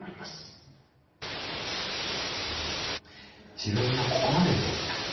自分は、ここまでできた。